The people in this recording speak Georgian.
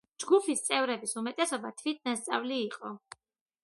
ჯგუფის წევრების უმეტესობა თვითნასწავლი იყო.